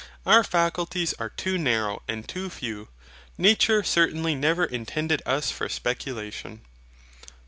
Our faculties are too narrow and too few. Nature certainly never intended us for speculation.